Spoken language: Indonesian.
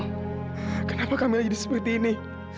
ya allah kenapa kamila jadi seperti ini